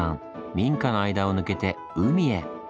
民家の間を抜けて海へ。